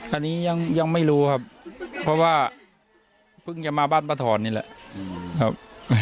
อันนี้ยังไม่รู้ครับเพราะว่าเพิ่งจะมาบ้านป้าถอนนี่แหละครับ